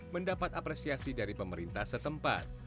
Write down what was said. mendapat apresiasi dari pemerintah setempat